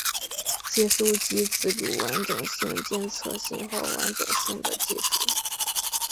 接收机自主完整性监测信号完整性的技术。